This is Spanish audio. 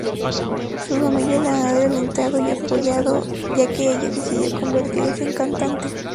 Su familia la ha alentado y apoyado, ya que ella decidió convertirse en cantante.